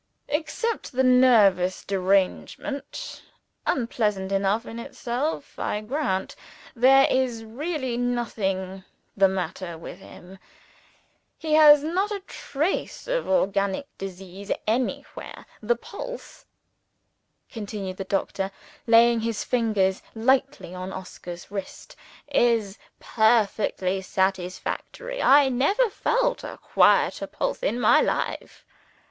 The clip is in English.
Except the nervous derangement (unpleasant enough in itself, I grant), there is really nothing the matter with him. He has not a trace of organic disease anywhere. The pulse," continued the doctor, laying his fingers lightly on Oscar's wrist, "is perfectly satisfactory. I never felt a quieter pulse in my life."